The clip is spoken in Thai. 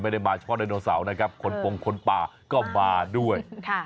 ไม่ได้มาเฉพาะไดโนเสาร์นะครับคนปงคนป่าก็มาด้วย